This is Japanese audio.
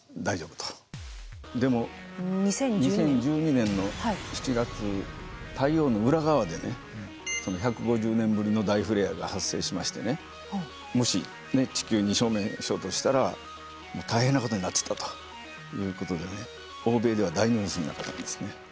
でも２０１２年の７月太陽の裏側でね１５０年ぶりの大フレアが発生しましてもし地球に正面衝突したら大変なことになっていたということで欧米では大ニュースになってたんですね。